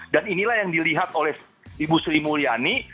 dan inilah yang dilihat oleh ibu sri mulyani